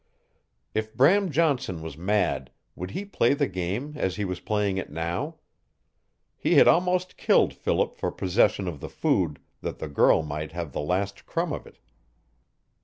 If Bram Johnson was mad would he play the game as he was playing it now! He had almost killed Philip for possession of the food, that the girl might have the last crumb of it.